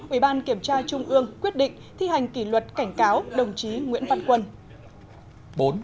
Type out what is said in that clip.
ủy ban kiểm tra trung ương quyết định thi hành kỷ luật cảnh cáo đồng chí nguyễn văn quân